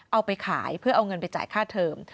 เอาไปขายเพื่อเอาเงินไปจ่ายค่าเทอม